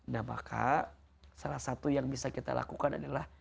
nah maka salah satu yang bisa kita lakukan adalah